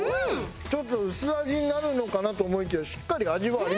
ちょっと薄味になるのかなと思いきやしっかり味はありますね。